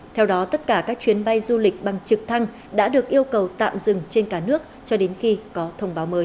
theo đó tất cả các chuyến bay du lịch bằng trực thăng đã được yêu cầu tạm dừng trên cả nước cho đến khi có thông báo mới